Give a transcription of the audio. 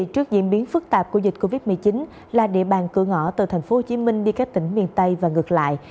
trước diễn biến phức tạp của dịch covid một mươi chín là địa bàn cửa ngõ từ tp hcm đi các tỉnh miền tây và ngược lại